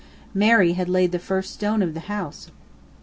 Mary had laid the first stone of the house.